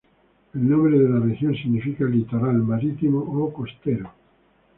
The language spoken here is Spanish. El nombre de la región significa "Litoral", "Marítimo" o "Costero".